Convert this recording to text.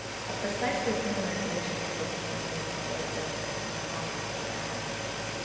A precisely similar tradition exists concerning an old gentleman in Carmarthenshire. III.